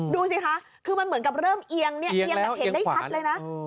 ดูสิคะคือมันเหมือนกับเริ่มเอียงเนี่ยเอียงแบบเห็นได้ชัดเลยนะ